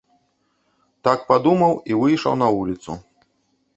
Так падумаў і выйшаў на вуліцу.